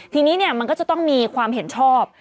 ทีนี้มันก็จะต้องมีความเห็นชอบ